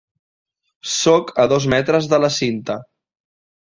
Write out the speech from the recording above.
Sóc a dos metres de la cinta.